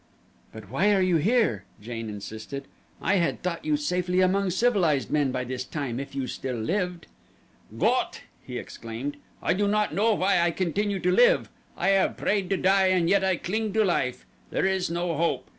"But why are you here?" Jane insisted. "I had thought you safely among civilized men by this time, if you still lived." "Gott!" he exclaimed. "I do not know why I continue to live. I have prayed to die and yet I cling to life. There is no hope.